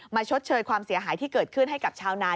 ชดเชยความเสียหายที่เกิดขึ้นให้กับชาวนา